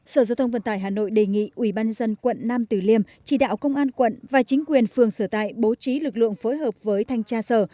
sở giao thông vận tải hà nội đề nghị ubnd quận nam tử liêm chỉ đạo công an quận và chính quyền phường sửa tại bố trí lực lượng phối hợp với thanh tra sở